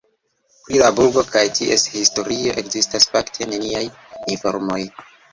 Pri la burgo kaj ties historio ekzistas fakte neniaj informoj.